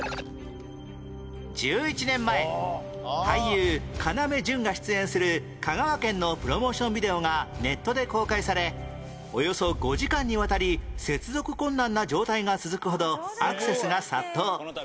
１１年前俳優要潤が出演する香川県のプロモーションビデオがネットで公開されおよそ５時間にわたり接続困難な状態が続くほどアクセスが殺到